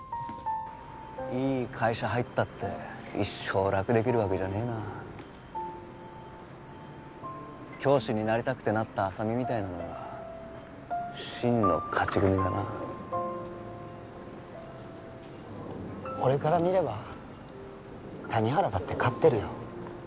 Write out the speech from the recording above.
いい会社入ったって一生楽できるわけじゃねえな教師になりたくてなった浅見みたいなのが真の勝ち組だな俺から見れば谷原だって勝ってるよ